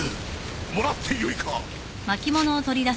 もらってよいか？